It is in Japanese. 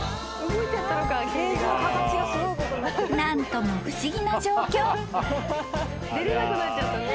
［何とも不思議な状況］